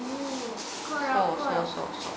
そうそうそうそう。